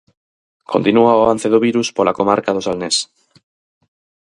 Continúa o avance do virus pola comarca do Salnés.